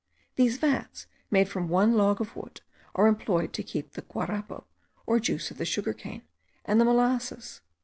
These vats, made from one log of wood, are employed to keep the guarapo, or juice of the sugar cane, and the molasses.